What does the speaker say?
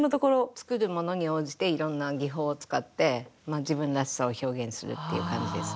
作るものに応じていろんな技法を使ってまあ自分らしさを表現するっていう感じですね。